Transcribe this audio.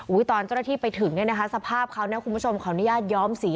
ตอนเจ้าหน้าที่ไปถึงเนี่ยนะคะสภาพเขาเนี่ยคุณผู้ชมขออนุญาตย้อมสี